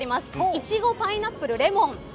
イチゴ、パイナップル、レモン。